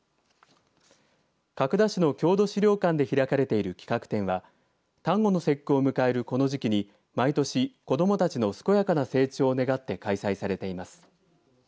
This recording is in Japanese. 角田市の郷土資料館で開かれている企画展は端午の節句を迎えるこの時期に毎年子どもたちの健やかな成長を願って開催されています。